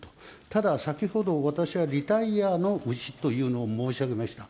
ただ先ほど、私はリタイアの牛というのを申し上げました。